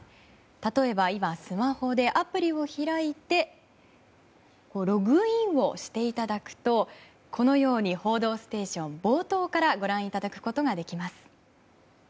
例えば今スマホでアプリを開いてログインをしていただくとこのように「報道ステーション」冒頭からご覧いただくことができます。